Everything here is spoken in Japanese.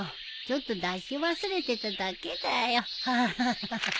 ちょっと出し忘れてただけだよ。ハハハ。